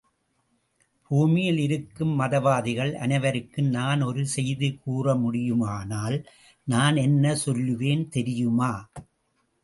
பூமியில் இருக்கும் மதவாதிகள் அனைவருக்கும் நான் ஒரு செய்தி கூற முடியுமானால், நான் என்ன சொல்லுவேன் தெரியுமா!